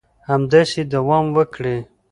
همداسې دوام وکړي